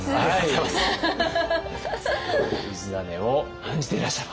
氏真を演じていらっしゃる。